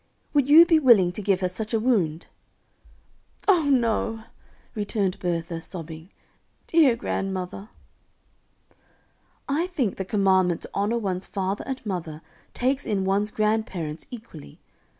Would you be willing to give her such a wound?" "Oh, no," returned Bertha, sobbing. "Dear grandmother." "I think the commandment to honor one's father and mother takes in one's grandparents equally.